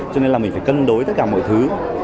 cho nên là mình phải cân đối tất cả mọi thứ